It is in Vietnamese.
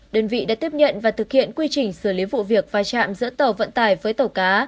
đơn vị đã tiếp nhận và thực hiện quy trình xử lý vụ việc va chạm giữa tàu vận tài với tàu cá